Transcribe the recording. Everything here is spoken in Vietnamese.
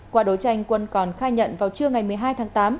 qua đấu tranh quân còn khai nhận vào trưa ngày một mươi hai tháng tám